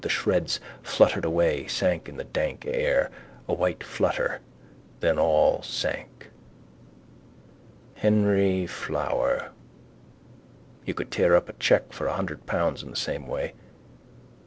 The shreds fluttered away, sank in the dank air: a white flutter, then all sank. Henry Flower. You could tear up a cheque for a hundred pounds in the same way.